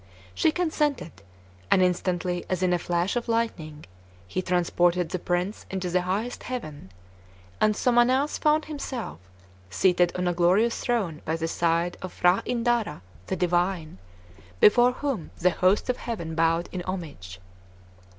She consented; and instantly, as in a flash of lightning, he transported the prince into the highest heaven, and Somannass found himself seated on a glorious throne by the side of P'hra Indara the Divine, before whom the hosts of heaven bowed in homage.